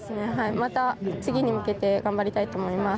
また次に向けて頑張りたいと思います。